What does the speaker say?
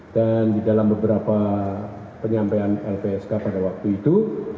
dan di dalam beberapa penyampaian lpsk pada waktu itu